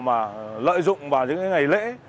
mà lợi dụng vào những cái ngày lễ